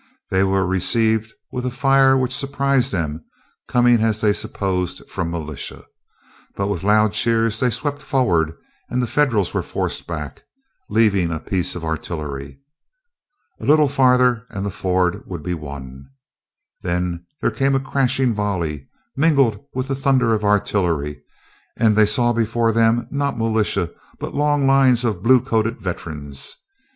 They were received with a fire which surprised them, coming as they supposed from militia. But with loud cheers they swept forward, and the Federals were forced back, leaving a piece of artillery. A little farther and the ford would be won; then there came a crashing volley, mingled with the thunder of artillery, and they saw before them, not militia, but long lines of blue coated veterans.